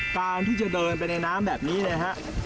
การที่จะเดินไปในน้ำแบบนี้เนี่ยฮะ